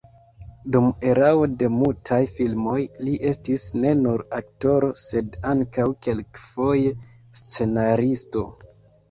Dum erao de mutaj filmoj li estis ne nur aktoro, sed ankaŭ kelkfoje scenaristo.